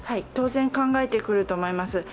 当然、考えてくると思います。